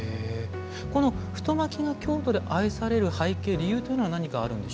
この太巻きが京都で愛される背景理由というのは何かあるんでしょうか？